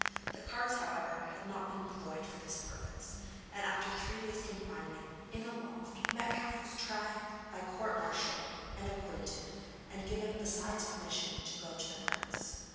The cards, however, had not been employed for this purpose, and after three days' confinement in a loft Metcalfe was tried by court martial and acquitted, and given besides permission to go to the Prince.